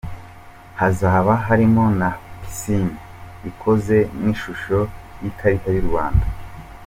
Hakazaba harimo na Piscine ikoze nkishusho yikarita yu Rwanda.